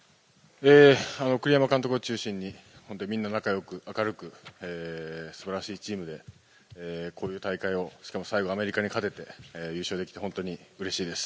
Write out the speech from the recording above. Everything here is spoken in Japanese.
栗山監督を中心に、本当にみんな仲よく、明るく、すばらしいチームで、こういう大会を、しかも最後、アメリカに勝てて、優勝できて、本当にうれしいです。